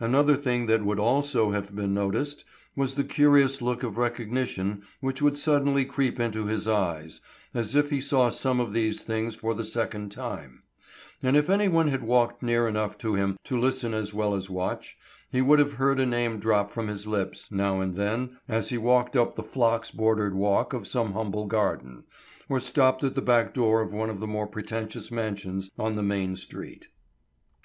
Another thing that would also have been noticed was the curious look of recognition which would suddenly creep into his eyes, as if he saw some of these things for the second time; and if anyone had walked near enough to him to listen as well as watch, he would have heard a name drop from his lips now and then as he walked up the phlox bordered walk of some humble garden, or stopped at the back door of one of the more pretentious mansions on the main street.